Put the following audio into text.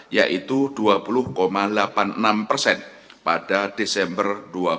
yaitu dua puluh delapan puluh enam persen pada desember dua ribu dua puluh